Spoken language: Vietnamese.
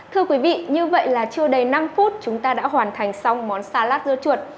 thưa quý vị như vậy là chưa đầy năm phút chúng ta đã hoàn thành xong món xa lá dưa chuột